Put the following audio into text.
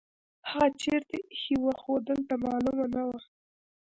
هغه چیرته ایښې وه خو ده ته معلومه نه وه.